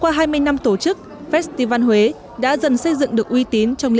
từ những năm đầu tiên tổ chức festival huế đã hướng đến trở thành một festival chuyên nghiệp hiện đại